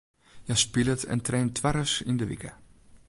Hja spilet en traint twaris yn de wike.